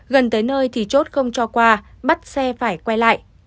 gần tới nơi thì chốt không cho qua bắt xe phải quay lại